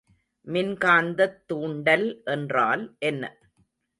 மின்காந்தத் தூண்டல் என்றால் என்ன?